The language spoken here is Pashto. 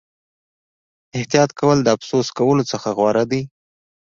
احتیاط کول د افسوس کولو څخه غوره دي.